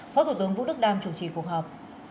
phó thủ tướng vũ đức đam chủ trì cuộc họp